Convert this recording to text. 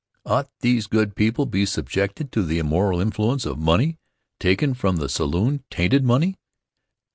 Ought these good people be subjected to the immoral influence of money taken from the saloon tainted money?